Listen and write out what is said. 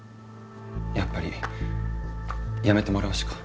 やっぱり辞めてもらうしか。